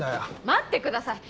待ってください。